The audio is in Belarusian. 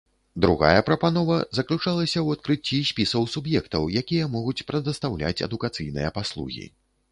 Другая прапанова заключалася ў адкрыцці спісаў суб'ектаў, якія могуць прадастаўляць адукацыйныя паслугі.